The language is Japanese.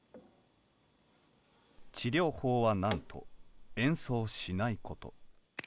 治療法はなんと「演奏しない」こと。